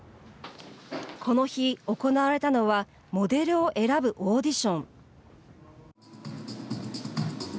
この日、行われたのはモデルを選ぶオーディション。